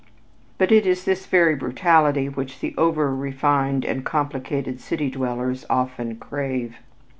But it is this very brutality which the over refined and complicated city dwellers often crave.